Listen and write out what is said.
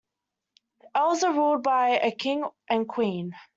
Elves are ruled by a King and Queen.